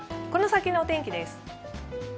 この先のお天気です。